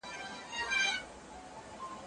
دا ستونزه په ټولو پوهنتونونو کي لیدل کېږي.